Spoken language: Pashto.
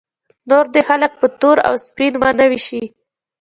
نور دې خلک په تور او سپین ونه ویشي.